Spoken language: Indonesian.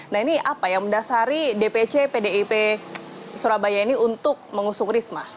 nah ini apa yang mendasari dpc pdip surabaya ini untuk mengusung risma